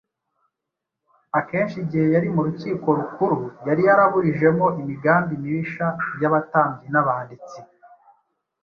akenshi igihe yari mu rukiko rukuru yari yaraburijemo imigambi mibisha y’abatambyi n’abanditsi